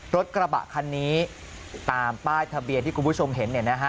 รถกระบะคันนี้ตามป้ายทะเบียนที่คุณผู้ชมเห็น